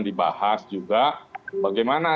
dibahas juga bagaimana